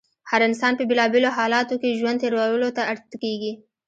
هر انسان په بېلا بېلو حالاتو کې ژوند تېرولو ته اړ کېږي.